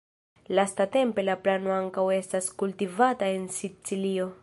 Lastatempe la planto ankaŭ estas kultivata en Sicilio.